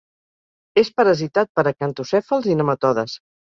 És parasitat per acantocèfals i nematodes.